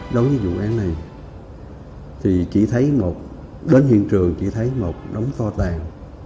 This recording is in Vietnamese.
đối với vụ án này thì chỉ thấy một đến hiện trường chỉ thấy một đống to tàn